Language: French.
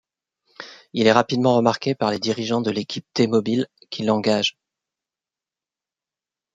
Il est rapidement remarqué par les dirigeants de l'équipe T-Mobile, qui l'engagent.